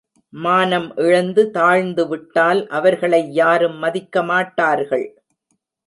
மானம் இழந்து தாழ்ந்துவிட்டால் அவர்களை யாரும் மதிக்கமாட்டார்கள்.